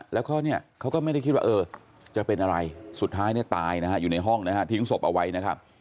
แล้วเขาก็ไม่ได้คิดว่าจะเป็นอะไรสุดท้ายตายอยู่ในห้องทิ้งศพเอาไว้นะครับ